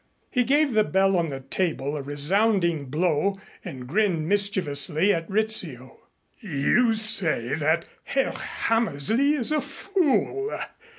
He gave the bell on the table a resounding blow and grinned mischievously at Rizzio. "You say that Herr Hammersley is a fool.